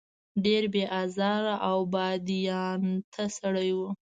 ډېر بې آزاره او بادیانته سړی و.